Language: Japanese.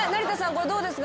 これどうですか？」